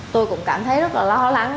tôi cũng cảm thấy rất là lo lắng